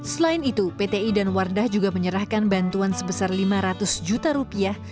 selain itu pti dan wardah juga menyerahkan bantuan sebesar lima ratus juta rupiah